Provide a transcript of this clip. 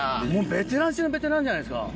ベテラン中のベテランじゃないですか。